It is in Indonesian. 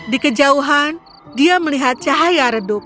di kejauhan dia melihat cahaya redup